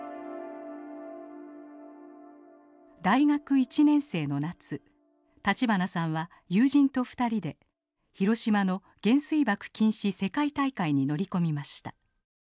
大学１年生の夏立花さんは友人と２人で広島の原水爆禁止世界大会に乗り込みました。